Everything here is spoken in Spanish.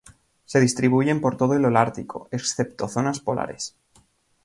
Se distribuyen por todo el holártico, excepto zonas polares.